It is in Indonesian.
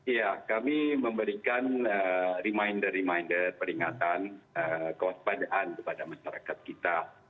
ya kami memberikan reminder reminder peringatan kewaspadaan kepada masyarakat kita